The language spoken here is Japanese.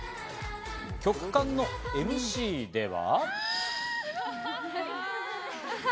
曲間のＭＣでは。